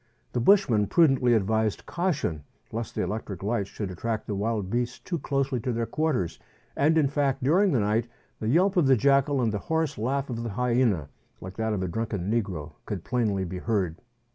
The bushman prudently advised caution, lest the electric lights should attract the wild beasts too closely to their quarters ; and in fact, during the night, the yelp of the jackal and the hoarse laugh of the hyena, like that of a drunken negro, could plainly be heard.